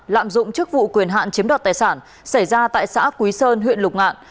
lạm dụng chức vụ quyền hạn chiếm đoạt tài sản xảy ra tại xã quý sơn huyện lục ngạn